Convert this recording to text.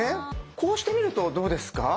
こうして見るとどうですか？